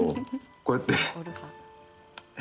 こうやって。